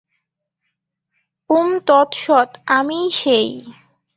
ওম তৎ সৎ, আমিই সেই।